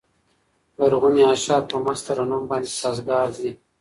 لرغوني اشعار په مست ترنم باندې سازګار دي.